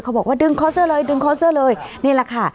เขาบอกว่าดึงคอเสื้อเลยนี่แหละค่ะ